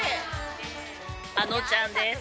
あのちゃんです。